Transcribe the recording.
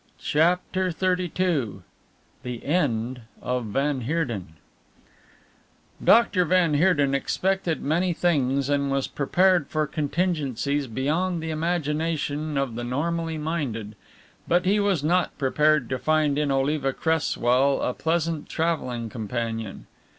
CHAPTER XXXII THE END OF VAN HEERDEN Dr. van Heerden expected many things and was prepared for contingencies beyond the imagination of the normally minded, but he was not prepared to find in Oliva Cresswell a pleasant travelling companion.